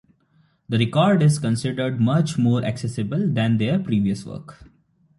The record is considered much more accessible than their previous work.